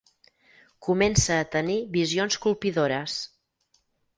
Comença a tenir visions colpidores.